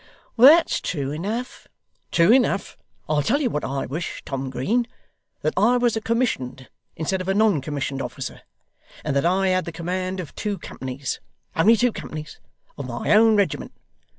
'That's true enough.' 'True enough! I'll tell you what. I wish, Tom Green, that I was a commissioned instead of a non commissioned officer, and that I had the command of two companies only two companies of my own regiment.